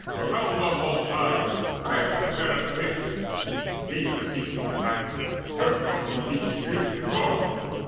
Around on all sides crashed Caphereus' cliffs: beneath the Sea king's wrath The surf tormented beaches shrieked and roared.